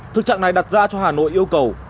thực trạng này đặt ra cho hà nội yêu cầu